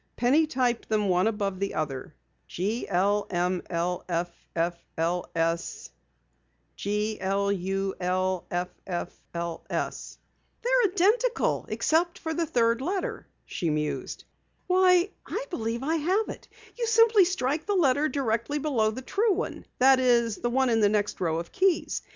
Penny typed them one above the other. GLMLFFLS GLULFFLS "They're identical except for the third letter," she mused. "Why, I believe I have it! You simply strike the letter directly below the true one that is, the one in the next row of keys.